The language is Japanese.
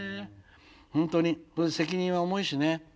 本当に責任は重いしね。